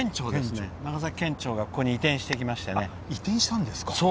長崎県庁がここに移転してきましてね。